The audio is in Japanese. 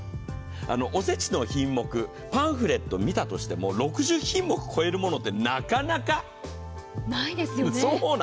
おせちの品目、パンフレットを見たとしても、６０品目超えるものってなかなかないですよね。